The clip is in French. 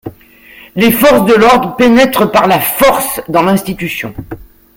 Les forces de l'ordre pénètrent par la force dans l'institution.